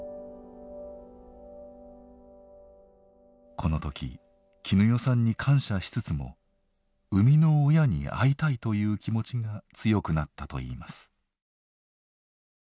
この時絹代さんに感謝しつつも生みの親に会いたいという気持ちも強くなったといいます。